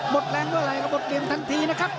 บทแรงด้วยอะไรก็บทเหลี่ยงทันทีนะครับ